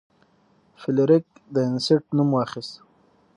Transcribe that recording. فلیریک د انیسټ نوم واخیست.